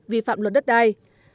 vi phạm luật đất đai